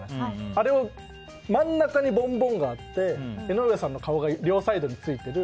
あれを真ん中にボンボンがあって江上さんの顔が両サイドについてる